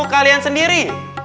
guru kalian sendiri